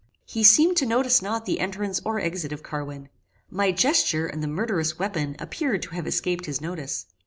He seemed to notice not the entrance or exit of Carwin. My gesture and the murderous weapon appeared to have escaped his notice.